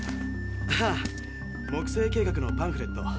ああ木星計画のパンフレット。